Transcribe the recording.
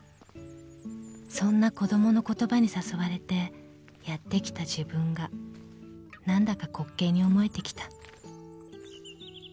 ［そんな子供の言葉に誘われてやって来た自分がなんだか滑稽に思えてきた］